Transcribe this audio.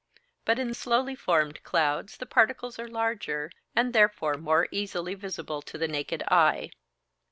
But in slowly formed clouds the particles are larger, and therefore more easily visible to the naked eye.